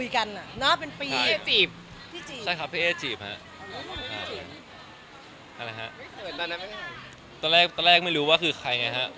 ตอนแรกไม่รู้ว่าคือใครไงฮะ